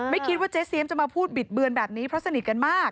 คิดว่าเจ๊เซียมจะมาพูดบิดเบือนแบบนี้เพราะสนิทกันมาก